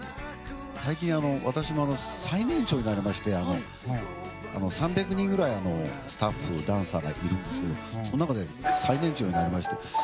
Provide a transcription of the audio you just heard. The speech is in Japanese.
最近、私も最年長になりまして３００人くらいスタッフ、ダンサーがいるんですけどその中で最年長になりまして。